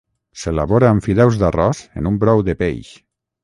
S'elabora amb fideus d'arròs en un brou de peix.